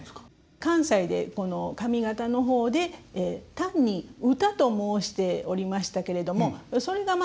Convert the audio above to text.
関西でこの上方の方で単に「唄」と申しておりましたけれどもそれがまあ